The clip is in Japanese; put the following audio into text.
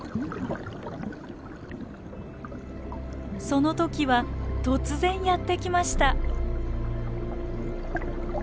その時は突然やってきました。